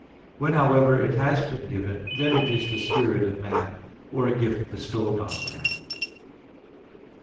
When, however, it has been given, then it is the spirit of man, or a gift bestowed on man.